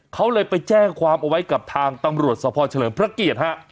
เขาเลยไปแจ้งความเอาไว้กับทางตำรวจสภเฉลิมพระเกียรติฮะ